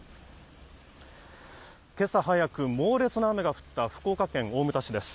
今朝早く猛烈な雨が降った福岡県大牟田市です。